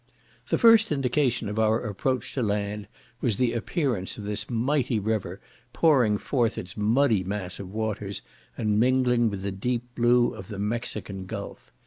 The first indication of our approach to land was the appearance of this mighty river pouring forth its muddy mass of waters, and mingling with the deep blue of the Mexican Gulf.